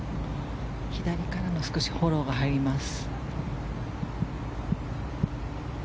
左からの少しフォローが入ります。